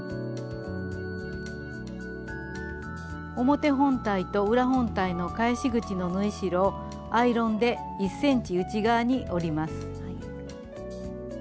表本体と裏本体の返し口の縫い代をアイロンで１ｃｍ内側に折ります。